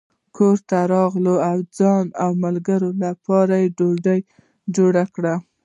کور ته راغلم او د ځان او ملګري لپاره مې ډوډۍ جوړه کړه.